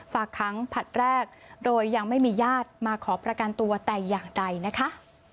ฝากค้างผลัดแรกโดยยังไม่มีญาติมาขอประกันตัวแต่อย่างใดนะคะ